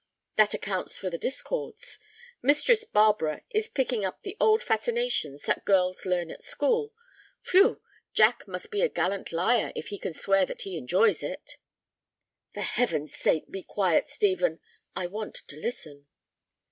"That accounts for the discords. Mistress Barbara is picking up the old fascinations that girls learn at school. Phew! Jack must be a gallant liar if he can swear that he enjoys it!" "For Heaven's sake, be quiet, Stephen. I want to listen."